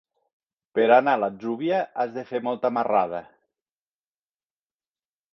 Per anar a l'Atzúbia has de fer molta marrada.